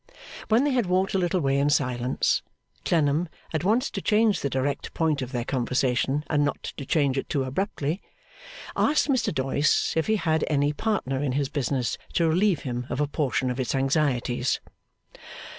When they had walked a little way in silence, Clennam, at once to change the direct point of their conversation and not to change it too abruptly, asked Mr Doyce if he had any partner in his business to relieve him of a portion of its anxieties?